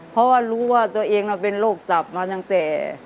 เพราะว่ารู้ว่าตัวเองเป็นโรคตับมาตั้งแต่